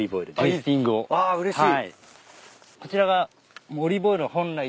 こちらが。